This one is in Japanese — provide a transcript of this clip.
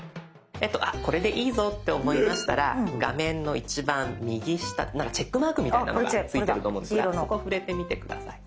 これでいいぞって思いましたら画面の一番右下何かチェックマークみたいなのが付いてると思うんですがそこ触れてみて下さい。